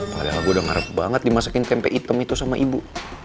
padahal aku udah ngarep banget dimasakin tempe hitam itu sama ibu